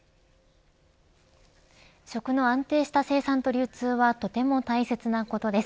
食の安定した生産と流通はとても大切なことです。